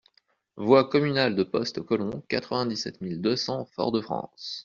Voie Communale de Poste Colon, quatre-vingt-dix-sept mille deux cents Fort-de-France